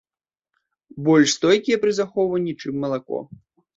Больш стойкія пры захоўванні, чым малако.